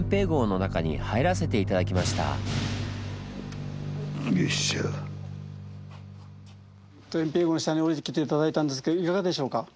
掩蔽壕の下におりてきて頂いたんですけどいかがでしょうか？